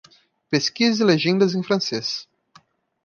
Pesquise legendas em francês.